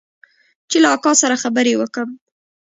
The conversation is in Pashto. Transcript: چې له اکا سره خبرې وکم.